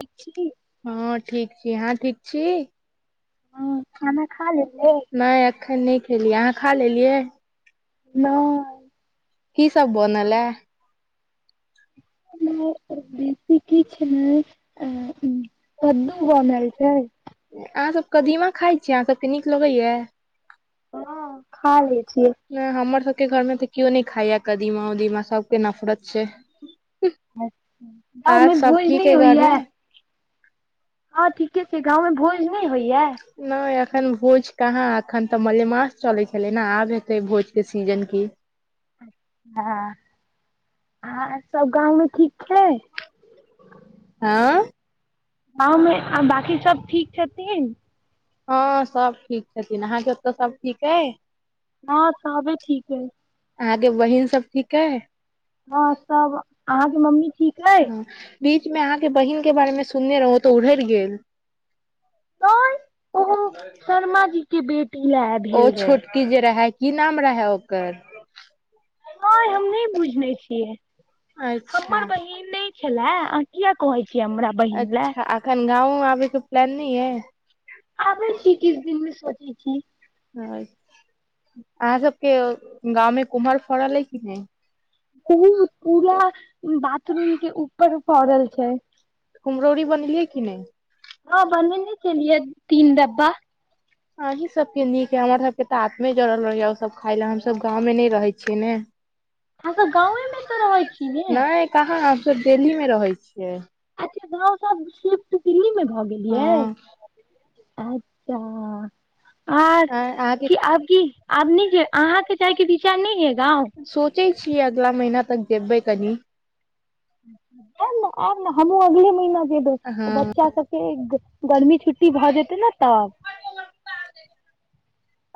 ठीक छी हँ ठीक छी आहाँ ठीक छी हँ खाना खा लेलिए नय अखन नय खेलीये अहाँ खा लेलियै नै की सब बनलयै [inaudible] कद्दु कद्दू बनल छै छैल अहाँ सब कदीमा खाइ छीयै अहाँ सबके नीक लगैया हँ खा ले छियै नय हमर सबके घर में तऽ केओ नय खाए य कदीमा उदीमा सब के नफरत छै [inaudible] गाँव आर मे सब भोज ठीक नइ अइ घरमे होइया हँं ठीके छै गाँव मे भोज नय होइया नय अखन भोज कहाँ अखन तऽ मलेमास चलै छलै ने आब हेतै भोज के सीजन की हँ आ सब गाँव मे ठीक छै [unintelligible] गाँवमे आ बकी सब ठीक छथिन हँ सब ठीक छथिन अहाँके ओतऽ सब ठीक अयछि ह सबे ठीक अछि अहाँके बहिन सब ठीकअछि हँ त अहाँके मम्मी ठीक अछि बीच मे अहाँ के बहिन के बारे मे सुनने। रहि त र उरहैर गेल ओ शर्मा जी के बेटी लए ओ भेल रहे छोटकी जे रहे की नाम रहैय ओकर नहि हमनहि बुझने छियै अच्छा हमर बहिन नहि छले किया कहै छीय हमरा बहिन लै कैल गाव आबी के प्लान नहीं यै अभि। किछी किछ दिन मे सोचै छी अहाँ सबके गाँंव मे कुमहर फड़ल अछिकि नहीं कि नहि ओहि मे पूरा बाथरूम के ऊपर फड़ल छैनह कुमरौरी बनेलियै किी नहि हँ बने छलियै तीन डब्बा [inaudible] अहीं सब के नीक ये हमर सबके तऽ आतमा जड़ल रहैया ओ सब खाय लय हमस गाँव मे नहि रहे छि ने अहाँ सब गांवे मे तऽ रहै छी ने नहि कहाँ हमसभ देल्हीमे रहैतछियै अच्छा रोशन गाँ सब शिफ्ट दिल्ली मे भऽ गेलेनह हँ अच्छा आर अहाँके कि आब अहाँके जायके विचार नहि यहिगाँव पिंक कियै ला गैरय त जेबेकनी आबु ने आब ने हमहुँ अगले महिीना में। हँ जयबै गर्मी छुट्टी भऽ जेतै ने तब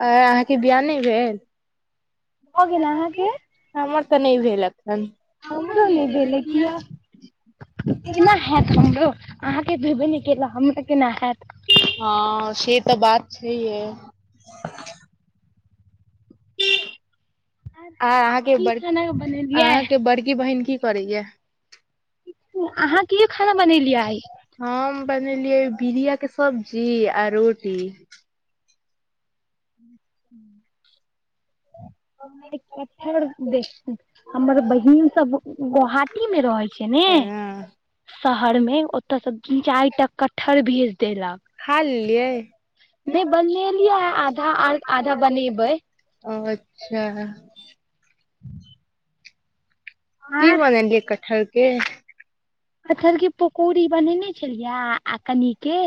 अहाँके बिआह नहि भेल भऽ गेल अहाँके हमर तऽ नहि भेल एखनहमरो हमरो नहीं नहि भेल यहि भेलै किया बियाह केना हैत हमरो अहाँके भेबे नहि केल हमरा केनाहेत हँ से तऽ बात छैय आर आ अहाँके की ब खाना बनेलियै अहाँके बड़की बहिन की किकरए अहाँ की खाना बनेलियै आई हम बनेलियै बीड़िया के सब्जी आ रोटी हूँ हमर बहिन सब गोहाटी मे रहै छै छैने ने हँ शहर मे ओतय शतीन चारि टा कटहर भेज देलक खा नहि बनेलियै लियैआधा आधा आर आई आधा बनेबै बनेलिये ओ अच्छै की आर बनेलियै कटहर के कठल के पकौड़ी बनेने छलियै आ कनिके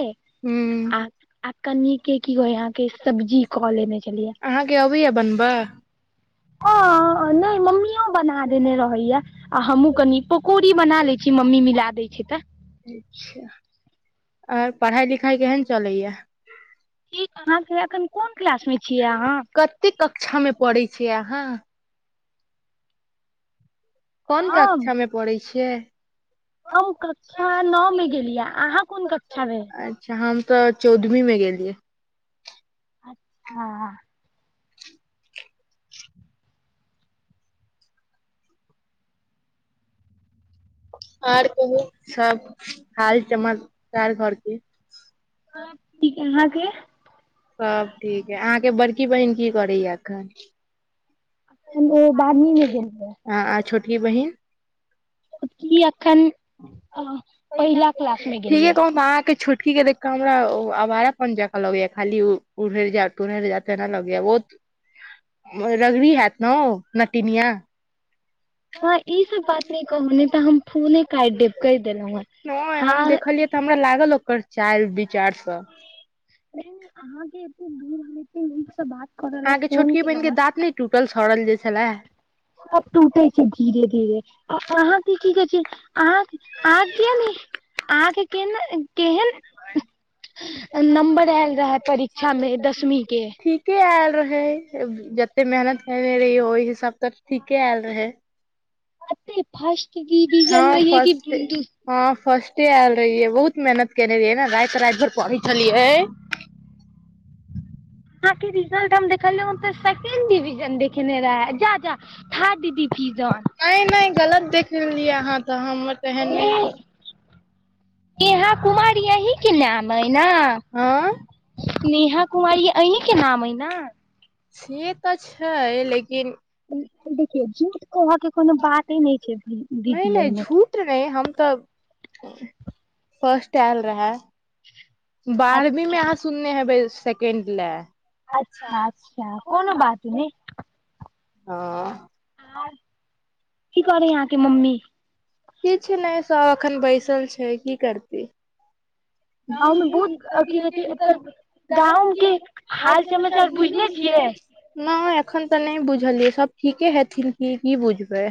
हू आ कनि के सब्जी क लेने छलिये अहाँके अबैय बनबऽ ह नहि मम्मीो बना देने रहतयै आ हमहूँ कनि पकौड़ी बना लै छी मम्मी मिला दै छै तऽ अच्छा [inaudible] आ पढ़ाई लिखाई केहन चलैया ठीक अहाँक कहाँ अखन कोन क्लास में छियै अहाँ कते कक्षा में पढ़ै छिय अहाँ कोन हम कक्षा मे पढ़ै छियै हम कक्षा नो में गेलियै अहाँ कोन कक्षा में अच्छा हम तऽ चौदवीं में गेलियै हँऽ आर कहू सब हाल चमककार घर के सब ठीक यऽ अहाँ केँ सब ठीक है अहाँकेँ बड़की बहिन की करैया एखन अखन ओ बारहवीं में गेल यऽ हँऽ आ छोटी की बहिन छोटकी एखन [inaudible] क्लासमे [unintelligible] ठीके गेलियै कह न अहाँ केँ छोटकी केँ देख ओ हमरा अवारा पन जका लगैया खाली उ उरहैर जा तुरहैर जा तैना लगैया ओ रगड़ी हैत नऽ नटिनिया हमरा ई सब बात नै कहू नै तऽ हम फोने काटि देब [unintelligible] कहि देलहुँ हेँ नै हम हँ देखलियै तऽ हमरा लागल ओ कर चाइल विचार स नै नै अहाँकेँ एते दूर हम एते नीक स बात करऽ लए अहाँकेँ फोन छोटकि बहिन केलहुँ हेँ केँ दाँत नै टूटल सड़ल जे छलै अब टूटे छै धीरे धीरे आ अहाँकेँ की कहै छै अहाँ आ किया नै आहाँ केँ केन केहन नम्बर ऐल रहा परीक्षा मे दसवीं केँ ठीके ऐल रहे जते मेहनत केने रहिय ओइ हिसाब तऽ ठीकेँ ऐल रहे एते फर्स्ट डविजन हँ रहियै कि फर्स्ट हँ फर्स्टे ऐल रहियै बहुत मेहनत केने रहियै न राइत राइत भर पढ़ै छलियै अहाँ केँ रिजल्ट हम देखल हुँ तऽ सेकेंड डिविजन देखेने रहे है जा जा थर्ड डिविजन नै नै गलत देखियै अहाँ तऽ हमर त एहन नै नेहा कुमारी अही केँ नाम हय न हँ [inaudible] नेहा कुमारी अहीं केँ नाम हय न से तऽ छै लेकिन। देखियौ जूठ कहय कऽ कोनो बाते नै छै नहि दीदी ऐमें [unintelligible] फर्स्ट ऐल रहेै [inaudible] बारहवीं में अच्छा अहाँ सुनने है सेकेंड लै अच्छा अच्छा कोनो बात नै हऽ [unintelligible] की करे यऽ अहाँकेँ मम्मी। किछ नै सब एखन बैसल छै की करती। [unintelligible] गाँवमे बहुत की कहै छै एतऽ गाँव के हाल समाचार बुझने छियै नै एखन तऽ नै बुझलियै सभ ठीके हेथिन की की बुझबै।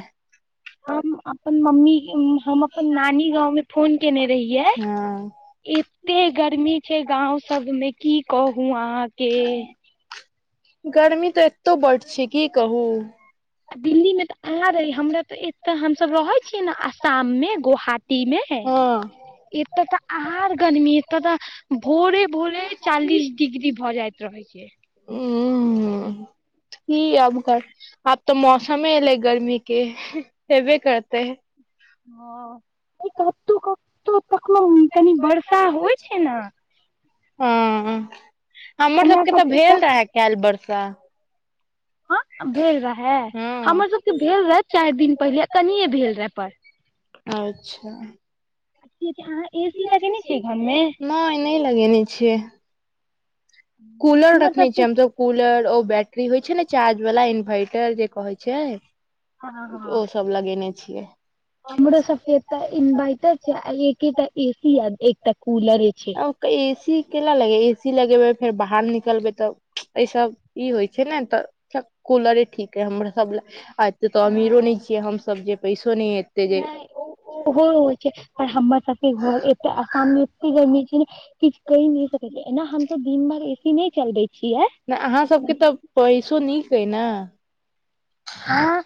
हम अपन मम्मी केँ हम अपन नानी गाँव में फोन केने रहियै हँ [inaudible] एते गर्मी। छै गाँव सब में की कहू अहाँकेँ। गर्मी तऽ एतो बड छै की कहू। आ दिल्ली मे तऽ आँहा रही हमरा ते एते हमसब रहे छीयै ने आसाम में गोहाटी में हँ ऐत तऽ आर गर्मी ऐत तऽ भोरे भोरे चालीस डिग्री भऽ जायत रहै छीय उंम्म की आइब क आब तऽ मौसमे ऐले गर्मी के हैबे करते हँ ऐ कतो कतो कखनो कनी वर्षा होइ छै न [unintelligible] हमर हमरा सबके तऽ सब एतऽ भेल रहे केल वर्षा [inaudible] भेल रहैए हाँ हमर सबके भेल रहए चाइर दिन पहिले कनियए भेल रहए पर अच्छा [unintelligible] अहाँ ए सी लगेने छियै घरमे नय नइ लगेने छियै कूलर हमर रखने छी सबके हम त कूलर ओ बैटरी होइ छै ने चार्ज बाला इन्वर्टर जे कहै छै हँ हँ ओ सब लगेने छियै हमरो सबके एटा इन्वर्टर छै आ एकेटा ए सी आ एकटा कूलरे छै ए सी केला लगेबै ए सी लगेबै फेर बाहर निकलबै तऽ एइ सब ई होइ छै ने तऽ कूलरे ठीक है हमर सब ल से तऽ अमीरो नय छियै हमसब जे पैसो नै एत नय ओ ओहो होइ छै पर हमर सब घर ऐत आसाममे ऐते गमी छै न किछ कहिने सकै छी एना हम सब दिन भेर एसी नय चलबे छी नय अहाँ सभके तऽ पैसो नीक अइ न अह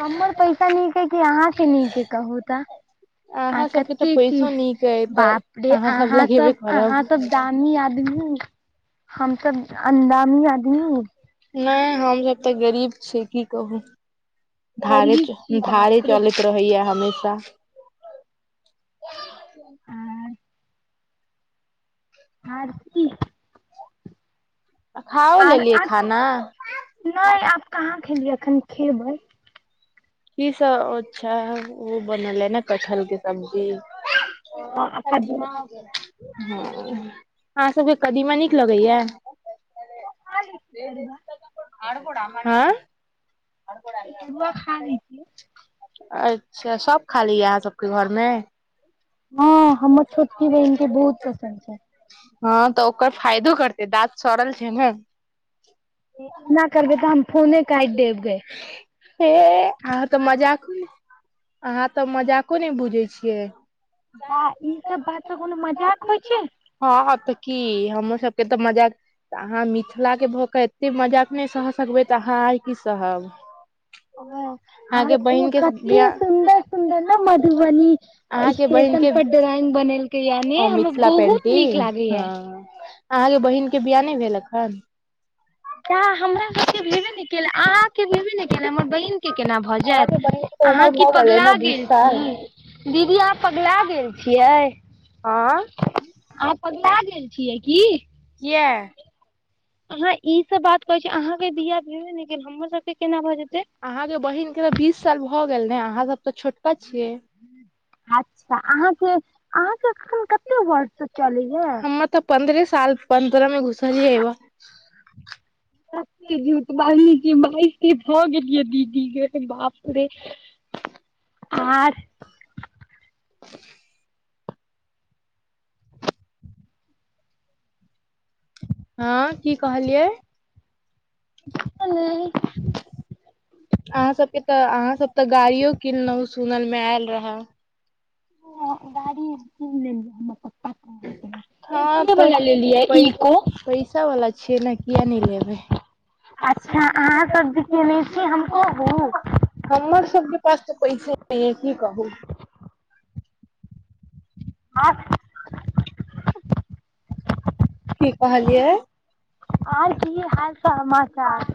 हमर पैसा नीक अइ कि अहाँके नीक अइ कहू तऽ आ अहाँ सबके तऽ कते ची पैसो नीक अइ तऽ बाप रे अहाँ लगेबे सब अहाँ करब सब दा नी आदमी हमसब अन्दामी आदमी नय हमसभ तऽ गरीब छी की कहू धारे गरीब छी धारे बाप रे चलैत रहैया हमेशा आर आर की खाओ लेलियै खाना नय आब कहाँ खेलियै अखन खेबै की सब अच्छा ओ बनलेए न कठहल के सब्जी [inaudible] तरुआ हाँ सबके कदीमा नीक लगैया [inaudible] तरुआ खानी की अच्छा सब खा लेए अहाँ सबके घरमे हँ हमर छोटकी बहिनक के बहुत पसन्द छै हँ तऽ ओकर फायदो करतै दाँत सड़ल छै ने इना करबे तऽ हम फोने काइट देब गे ऐ आ तऽ मजाको म अहाँ तऽ मजाको ने बुझै छियै बा ई सब बात स कोनो मजाक होइ छै हँ तऽ की हमर सबके तऽ मजाक तऽ अहाँ मिथिलाके भऽ कऽ एतेक मजाक नइ सह सकबै तऽ अहाँ आ की सहब ओ आ अहाँके ओ बहिन के कतेक बियाह सुन्दर सुन्दर न मधुबनी। अहाँके बहिन स्टेशन के पर ड्रॉइंग बनेलकै यानि ओ हमर मिथिला बहुत नीक पेंटिंग लागै या। हँ अहाँके बहिनक के बियाह नैह भेलक एखन। त हमरा सबके भेबे नै केलै अहाँके भेबे नै केएल हमर बहिन। के केना भऽ जेएत अहाँके बहिन के तऽ अहाँ उमर की भऽ गेलै पगला ने बीस गेल साल छी। दीदी अहाँ पगलाा गेल छियै। आँ। अहाँ पकला गेल छियै की। किए। अहाँ ई सब बात कहै छी अहाँके बियाह भेबे नै गेल हमर सबके केना भए जेतै। अहाँ के बहिन के तऽ बीस साल भगेल ने अहाँ सब तऽ छोटका छियै। अच्छा अहाँके अहाँके एखन कते वर्ष चलैया। पन्दरे साल पन्दरमे घुषर ह जइब। स झूठ बाजै छीयै बाइस के भऽ गेलियै दीदीे बाप रे। आर। [inaudible] हँ की कहलियै। [inaudible] अहाँ सबके तऽ अहाँ सब तऽ गाड़ियो किनलहुँ सुनल मे आयल रहे आ गाड़ी कीन लेलकीन हन हँ तऽ लेलियै पै इको पैसा वला छियै ने किया नै लेबै। अच्छा अहाँ सब जे केने छी हम कहु हमर सबके पास तऽ पैसे नैयै की कहू। अँ [unintelligible] की कहलियै। आओर की हाल समाचार।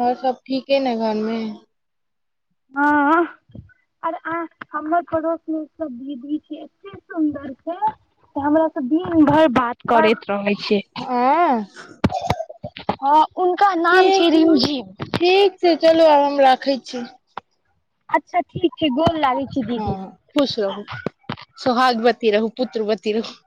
आओर सब ठीके ने घरमे। हँ आर हमर पड़ोस मे [unintelligible] दीदी छै ते सुन्दर छै से हमरा सब दिन भैर बात। करैत रहै छै। हँ हँ उनका नाम छीयै ठीक रिमझिम ठीक छै चलू आब हम राखै छी। अच्छा ठीक छै गोल लागै। छी हँ दीदी खुश रहु सोहाग बती रहु पुत्र बती रहु।